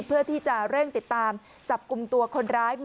เพื่อที่จะเร่งติดตามจับกลุ่มตัวคนร้าย